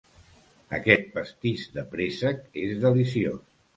Aquest pastís de préssec és deliciós.